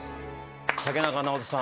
竹中直人さん。